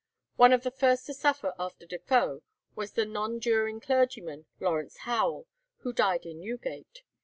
One of the first to suffer after Defoe was the nonjuring clergyman Lawrence Howell, who died in Newgate.